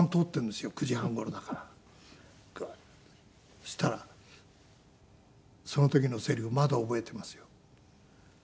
そしたらその時のセリフまだ覚えていますよ。